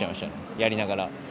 やりながら。